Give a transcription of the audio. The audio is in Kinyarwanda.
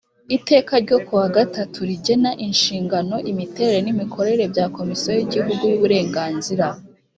iteka ryo ku wa gatatu rigena inshingano imiterere n imikorere bya komisiyo y igihugu y uburenganzira